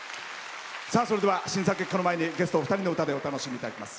審査結果の前にゲストお二人の歌でお楽しみいただきます。